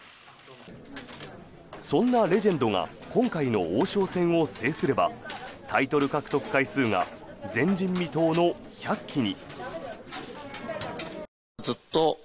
そんなレジェンドが今回の王将戦を制すればタイトル獲得回数が前人未到の１００期に。